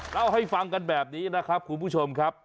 เล่าให้ฟังกันแบบนี้นะครับคุณผู้ชมครับ